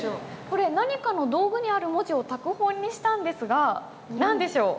これ何かの道具にある文字を拓本にしたんですが何でしょう？